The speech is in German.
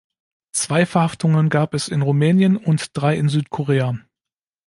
Zwei Verhaftungen gab es in Rumänien und drei in Südkorea.